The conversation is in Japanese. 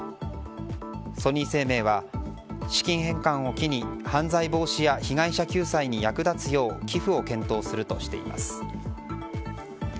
ソニー生命は資金返還を機に犯罪防止や被害者救済に役立つよう寄付を検討するとしています。